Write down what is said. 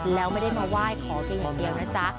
แล้วไม่ได้มาไหว้ขอเพียงอย่างเดียวนะจ๊ะ